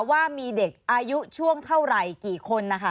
ว่ามีเด็กอายุช่วงเท่าไหร่กี่คนนะคะ